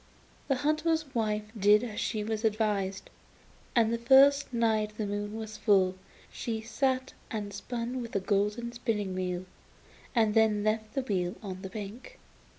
The hunter's wife did as she was advised, and the first night the moon was full she sat and spun with a golden spinning wheel, and then left the wheel on the bank.